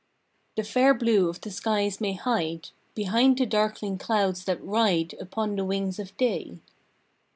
The fair blue of the skies may hide Behind the darkling clouds that ride Upon the wings of day.